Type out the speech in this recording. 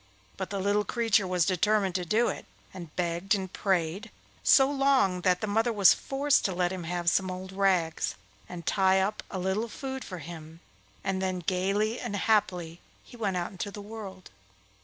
But the little creature was determined to do it, and begged and prayed so long that the mother was forced to let him have some old rags, and tie up a little food for him, and then gaily and happily he went out into the world.